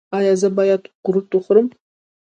ایا زه باید قروت وخورم؟